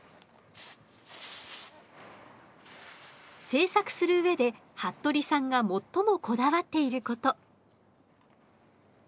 制作する上で服部さんが最もこだわっていること。